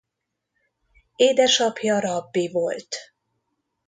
Édesapja rabbi volt.